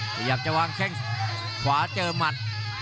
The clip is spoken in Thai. พยายามจะวางแข้งขวาเจอหมัด